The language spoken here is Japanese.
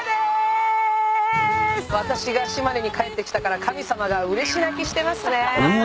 私が島根に帰ってきたから神様がうれし泣きしてますね。